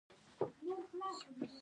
خان زمان وویل، دوه سوه لیرې نو څه شی دي؟